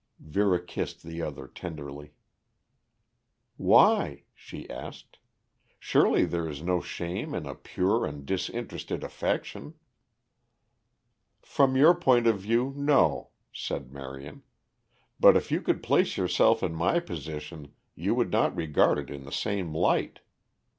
Vera kissed the other tenderly. "Why?" she asked. "Surely there is no shame in a pure and disinterested affection." "From your point of view, no," said Marion. "But if you could place yourself in my position you would not regard it in the same light.